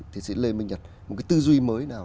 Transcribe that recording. tiến sĩ lê minh nhật một cái tư duy mới nào